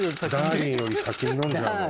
ダーリンより先に飲んじゃうの？